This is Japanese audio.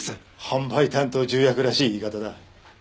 販売担当重役らしい言い方だ。